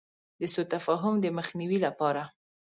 د سو تفاهم د مخنیوي لپاره.